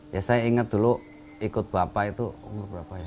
ya saya ingat dulu ikut bapak itu umur berapa ya